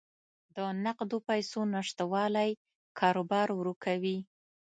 د نقدو پیسو نشتوالی کاروبار ورو کوي.